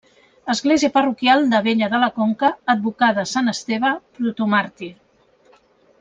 Església parroquial d'Abella de la Conca, advocada a sant Esteve, protomàrtir.